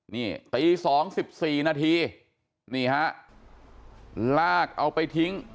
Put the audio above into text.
นี่ตี๒๑๔นาทีนี่ฮะลากเอาไปทิ้ง